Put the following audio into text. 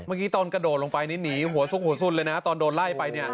เมื่อกี้ตอนกระโดดลงไปนี่หนีหัวซุกหัวสุ่นเลยนะตอนโดนไล่ไปเนี่ย